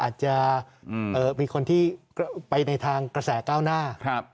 อาจจะมีคนที่ไปในทางกระแสก้าวหน้า